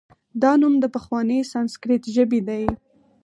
دا نوم د پخوانۍ سانسکریت ژبې دی